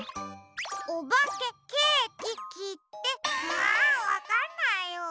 うんわかんないよ！